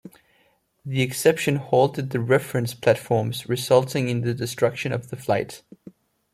The exception halted the reference platforms, resulting in the destruction of the flight.